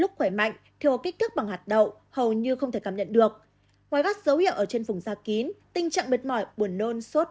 lúc khỏe mạnh thì có kích thước bằng hạt đậu hầu như không thể cảm nhận được